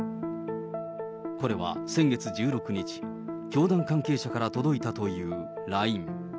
これは先月１６日、教団関係者から届いたというＬＩＮＥ。